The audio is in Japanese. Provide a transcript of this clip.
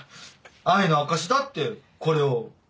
愛の証しだってこれを。